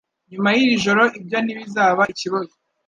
Nyuma yiri joro, ibyo ntibizaba ikibazo.